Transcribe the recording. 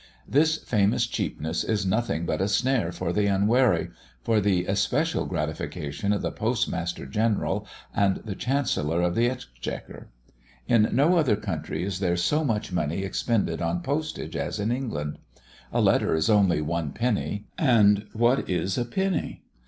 This famous cheapness is nothing but a snare for the unwary, for the especial gratification of the Postmaster General and the Chancellor of the Exchequer. In no other country is there so much money expended on postage as in England. A letter is only one penny; and what is a penny?